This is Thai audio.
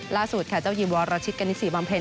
ล่าสุดค่ะเจ้าหญิงวอร์ราชิตกะนิดสี่บำเพล็น